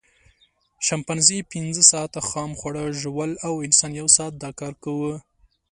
شامپانزي پینځه ساعته خام خواړه ژوول او انسان یو ساعت دا کار کاوه.